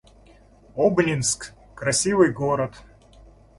Обнинск — красивый город